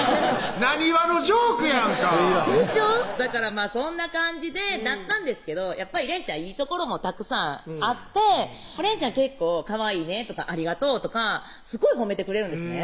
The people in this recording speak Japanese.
なにわのジョークやんかすいませんだからそんな感じだったんですけどやっぱり連ちゃんいいところもたくさんあって連ちゃん結構「かわいいね」とか「ありがとう」とかすごい褒めてくれるんですね